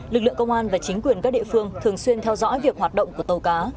lực lượng công an và chính quyền các địa phương thường xuyên theo dõi việc hoạt động của tàu cá